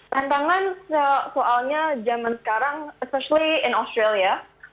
tantangan soalnya jaman sekarang especially in australia